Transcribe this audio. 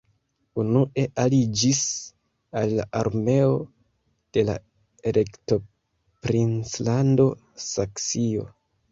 Unue aliĝis al la armeo de la Elektoprinclando Saksio.